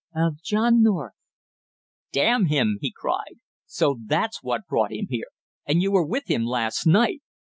"Of John North " "Damn him!" he cried. "And so that's what brought him here and you were with him last night!"